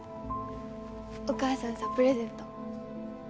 お母さんさプレゼント。